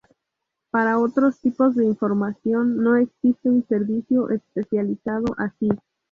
Para otros tipos de información, no existe un servicio especializado así.